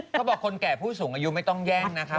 เขาบอกคนแก่ผู้สูงอายุไม่ต้องแย่งนะคะ